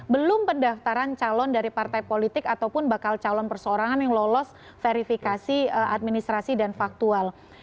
belum pendaftaran calon dari partai politik ataupun bakal calon persoarangan yang lolos verifikasi administrasi dan faktual